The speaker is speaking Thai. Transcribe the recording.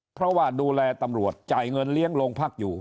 เพราะว่าดูแลตำรวจจ่ายเงินเลี้ยงโรงพักอยู่